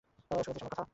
শুনেছিস আমার কথা।